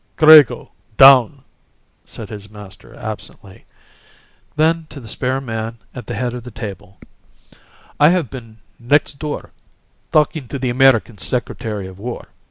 "Grego, down," said his master absently. Then, to the spare man at the head of the table: "I have been next door, talking to the American Secretary of War.